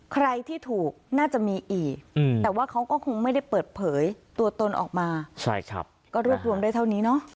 ใครที่ถูกน่าจะมีอีกแต่ว่าเขาก็คงไม่ได้เปิดเผยตัวตนออกมาใช่ครับก็รวบรวมได้เท่านี้เนอะ